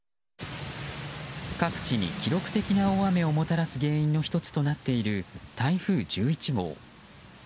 各地に記録的な大雨をもたらす原因の１つとなっている台風１１号。